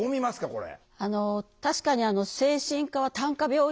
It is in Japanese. これ。